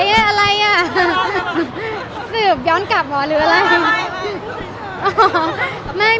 ไอ๊ะอะไรอะสืบย้อนกลับหรืออะไร